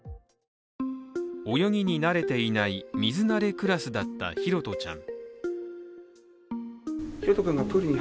泳ぎに慣れていない水慣れクラスだった拓社ちゃん。